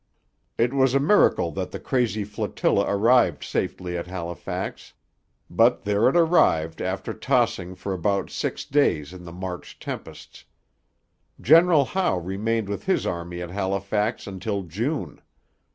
It was a miracle that the crazy flotilla arrived safely at Halifax; but there it arrived after tossing about for six days in the March tempests. General Howe remained with his army at Halifax until June.